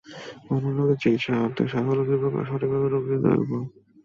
কোনো রোগের চিকিৎসার অর্ধেক সাফল্য নির্ভর করে সঠিকভাবে রোগ নির্ণয়ের ওপর।